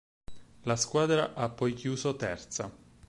La squadra ha poi chiuso terza.